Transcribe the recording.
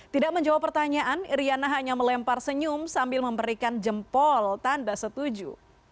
tidak menjawab pertanyaan iryana hanya melempar senyum sambil memberikan jempol tanda setuju